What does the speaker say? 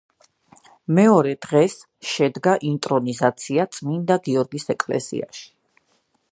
მეორე დღეს შედგა ინტრონიზაცია წმინდა გიორგის ეკლესიაში.